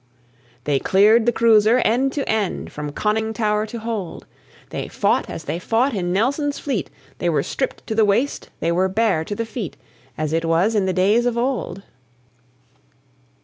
They cleared the cruiser end to end, From conning tower to hold. They fought as they fought in Nelson's fleet; They were stripped to the waist, they were bare to the feet, As it was in the days of old.